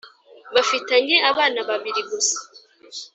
bafitanye abana babiri gusa